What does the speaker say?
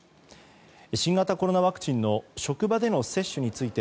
新型コロナワクチンの職場での接種について